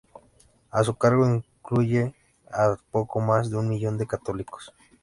A su cargo incluye a poco más de un millón de católicos.